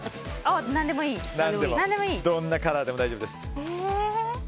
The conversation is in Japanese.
どんなカラーでも大丈夫です。